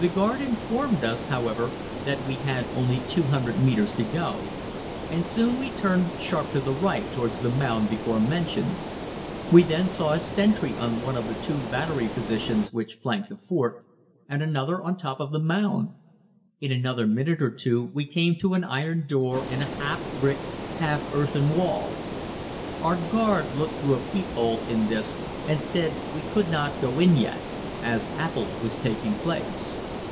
The guard informed us, however, that we had only 200 metres to go, and soon we turned sharp to the right towards the mound before mentioned. We then saw a sentry on one of the two battery positions which flanked the fort, and another on the top of the mound. In another minute or two we came to an iron door in a half brick, half earthen wall. Our guard looked through a peep hole in this and said we could not go in yet, as Appell was taking place.